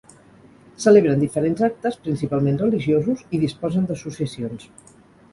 Celebren diferents actes, principalment religiosos, i disposen d'associacions.